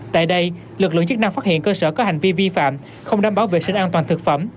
tại đây lực lượng chức năng phát hiện cơ sở có hành vi vi phạm không đảm bảo vệ sinh an toàn thực phẩm